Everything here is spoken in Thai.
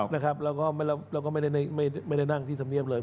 แล้วก็ไม่ได้นั่งที่ทำเนียบเลย